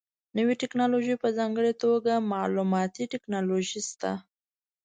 نوې ټکنالوژي په ځانګړې توګه معلوماتي ټکنالوژي شته.